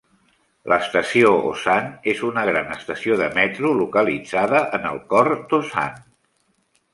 L'estació Osan és una gran estació de metro localitzada en el cor d'Osan.